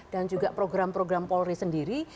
dan juga program program polri sendiri